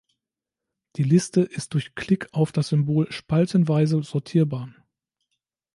Die Liste ist durch Klick auf das Symbol spaltenweise sortierbar.